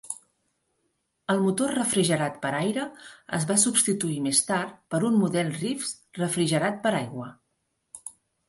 El motor refrigerat per aire es va substituir més tard per un model Reeves refrigerat per aigua.